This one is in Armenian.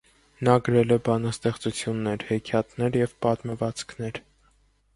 Նա գրել է բանաստեղծություններ, հեքիաթներ և պատմվածքներ։